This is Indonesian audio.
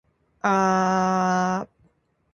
Dia membuka jendela.